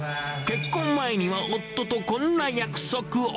結婚前には夫とこんな約束を。